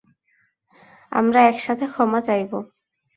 আমরা একসাথে ক্ষমা চাইবো।